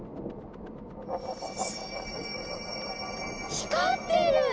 光ってる！